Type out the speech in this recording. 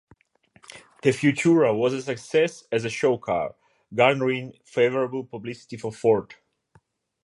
The Futura was a success as a show car, garnering favorable publicity for Ford.